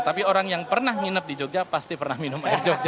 tapi orang yang pernah nginep di jogja pasti pernah minum air jogja